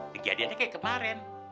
kejadiannya kayak kemarin